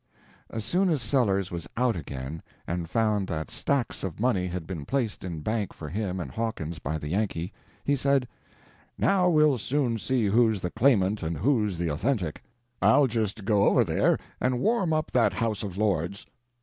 As soon as Sellers was out again, and found that stacks of money had been placed in bank for him and Hawkins by the Yankee, he said, "Now we'll soon see who's the Claimant and who's the Authentic. I'll just go over there and warm up that House of Lords."